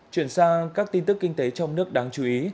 chuyển sang các tin tức kinh tế trong nước đáng chú ý